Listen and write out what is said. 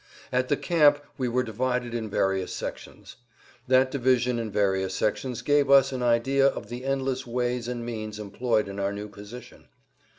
At the camp we were divided in various sections. That division in various sections gave us an idea of the endless ways and means employed in our new position.